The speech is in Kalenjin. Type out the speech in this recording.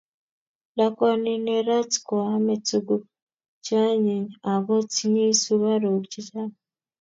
Lakwani nerat koame tuguk cheonyiny ago tinyei sugaruk chechang